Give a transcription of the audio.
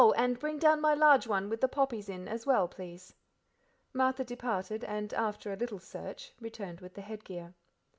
and bring down my large one with the poppies in, as well, please." Martha departed, and, after a little search, returned with the headgear.